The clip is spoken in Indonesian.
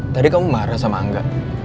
tadi kamu marah sama angga